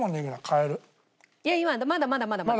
いやまだまだまだまだ。